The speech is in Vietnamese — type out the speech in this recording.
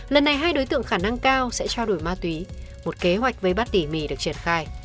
lần này hai đối tượng khả năng cao sẽ trao đổi ma túy một kế hoạch với bát tỉ mì được triển khai